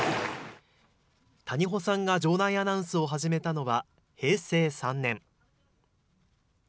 谷保さんが場内アナウンスを始めたのは平成３年。